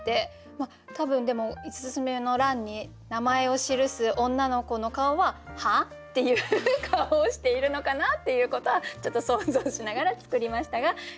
多分でも五つ目の欄に名前を記す女の子の顔は「はあ？」っていう顔をしているのかなっていうことはちょっと想像しながら作りましたが小島さんいかがですか？